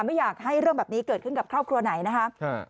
ไม่อยากให้เรื่องแบบนี้เกิดขึ้นกับครอบครัวไหนนะครับ